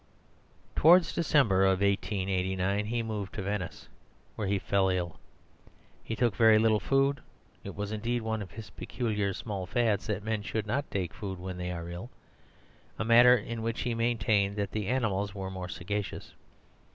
Towards December of 1889 he moved to Venice, where he fell ill. He took very little food; it was indeed one of his peculiar small fads that men should not take food when they are ill, a matter in which he maintained that the animals were more sagacious.